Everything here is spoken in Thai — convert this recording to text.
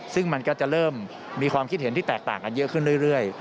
ซึ่งมันก็จะเริ่มมีความคิดเห็นที่แตกต่างกันเยอะขึ้นเรื่อย